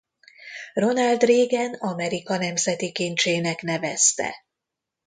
Ronald Reagan Amerika nemzeti kincsének nevezte.